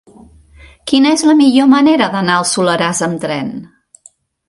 Quina és la millor manera d'anar al Soleràs amb tren?